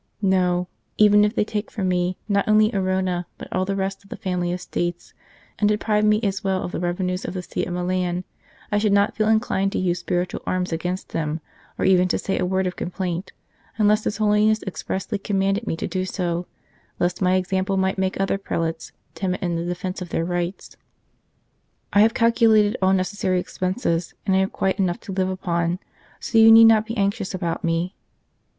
No ; in St. Charles Borromeo even if they take from me, not only Arona, but all the rest of the family estates, and deprive me as well of the revenues of the See of Milan, I should not feel inclined to use spiritual arms against them, or even to say a word of complaint, unless His Holiness expressly commanded me to do so, lest my example might make other prelates timid in the defence of their rights. " I have calculated all necessary expenses, and I have quite enough to live upon, so you need not be anxious about me.